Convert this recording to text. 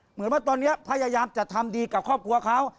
เหมือนว่าตอนนี้พยายามจะทำดีกับครอบครัวเขา